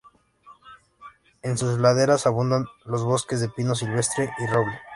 En sus laderas abundan los bosques de pino silvestre y roble.